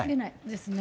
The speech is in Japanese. ですね。